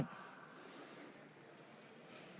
ครับ